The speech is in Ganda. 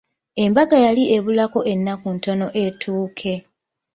Embaga yali ebulako ennaku ntono etuuke.